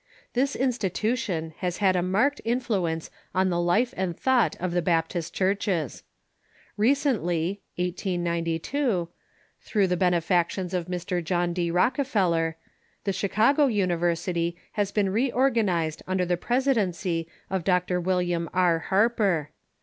This institution has had a marked influence on the life and thought of the Baptist churches. Recently (1892), through the benefactions of Mr. John D. Rockefeller, the Chicago University has been reorgan ized under the presidency of Dr. William R. Harper.